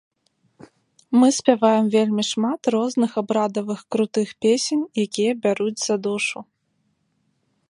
Мы спяваем вельмі шмат розных абрадавых крутых песень, якія бяруць за душу.